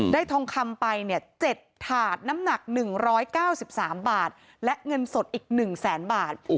ทองคำไป๗ถาดน้ำหนัก๑๙๓บาทและเงินสดอีก๑แสนบาท